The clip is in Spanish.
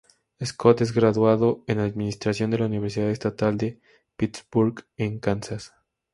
Scott es graduado en Administración de la Universidad Estatal de Pittsburg en Kansas.